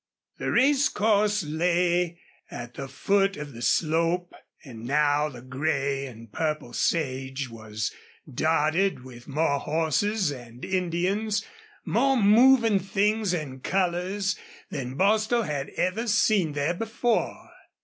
The racecourse lay at the foot of the slope, and now the gray and purple sage was dotted with more horses and Indians, more moving things and colors, than Bostil had ever seen there before.